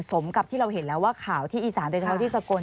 สมกับที่เราเห็นแล้วว่าข่าวที่อีสานโดยเฉพาะที่สกล